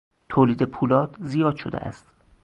تولید پولاد زیاد شده است.